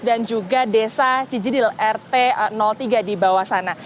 dan juga desa cijidil rt tiga di bawah sana